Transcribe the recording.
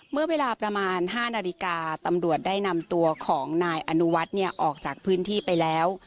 เมื่อเวลาประมาณ๕นาฬิกาตำรวจได้นำตัวของนายอนุวัฒน์ออกจากพื้นที่ไปแล้ว